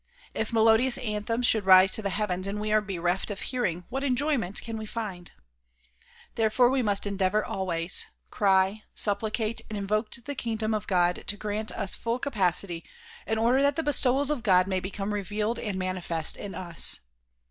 If melodious anthems should rise to the heavens and we are bereft of hearing, what enjoy ment can we find? Therefore we must endeavor always, cry, supplicate and invoke the kingdom of God to grant us full capacity in order that the bestowals of God may become revealed and manifest in us.